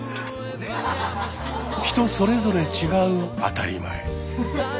人それぞれ違う「当たり前」。